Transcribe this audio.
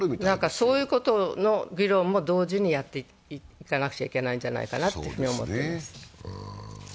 そういうことの議論も同時にやっていかなくちゃならないんじゃないかと思っています。